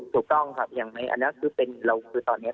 ถูกต้องครับอย่างอันนั้นคือเป็นเราคือตอนนี้